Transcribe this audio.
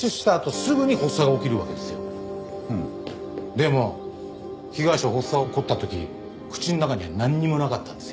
でも被害者は発作が起こった時口の中にはなんにもなかったんですよ。